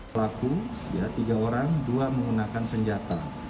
pelaku tiga orang dua menggunakan senjata